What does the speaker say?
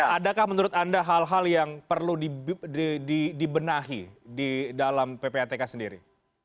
adakah menurut anda hal hal yang perlu dibenahi di dalam ppatk sendiri